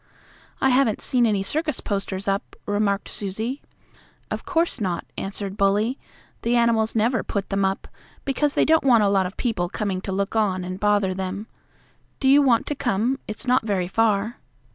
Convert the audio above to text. "I haven't seen any circus posters up," remarked Susie. "Of course not," answered Bully. "The animals never put them up, because they don't want a lot of people coming to look on and bother them. Don't you want to come? It's not very far."